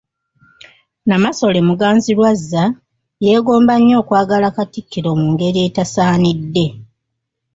Nnamasole Muganzirwazza yeegomba nnyo okwagala Katikkiro mu ngeri etasaanidde.